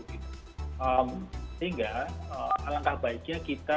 tapi enggak alangkah baiknya kita